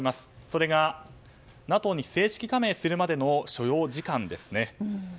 それが、ＮＡＴＯに正式加盟するまでの所要時間です。